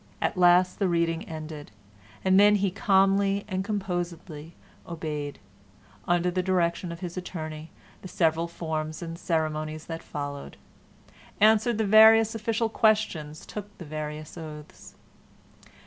At last the reading ended, and then he calmly and composedly obeyed, under the direction of his attorney, the several forms and ceremonies that followed; answered the various official questions, took the various oaths.